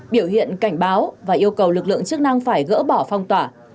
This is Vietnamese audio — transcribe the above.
biểu hiện cảnh báo và yêu cầu lực lượng chức năng phải gỡ bỏ phong tỏa